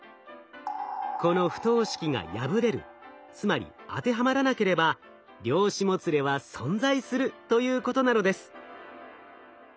この不等式が破れるつまり当てはまらなければ量子もつれは存在するということなのです。